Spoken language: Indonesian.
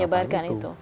yang menyebarkan itu